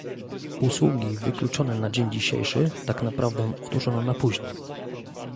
Usługi wykluczone na dzień dzisiejszy tak naprawdę odłożono na później